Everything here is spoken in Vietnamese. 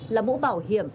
là mũ bảo hiểm